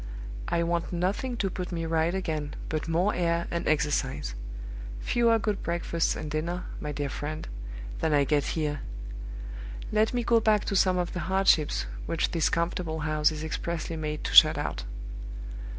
I want nothing to put me right again but more air and exercise; fewer good breakfasts and dinners, my dear friend, than I get here. Let me go back to some of the hardships which this comfortable house is expressly made to shut out.